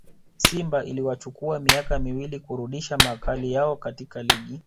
simba iliwachukua miaka miwili kurudisha makali yao katika ligi